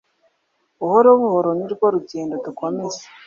Buhoro buhoro nirwo rugendo dukomeze.